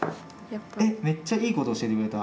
めっちゃいいこと教えてくれた。